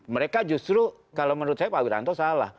mereka justru kalau menurut saya pak wiranto salah